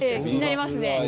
気になりますね。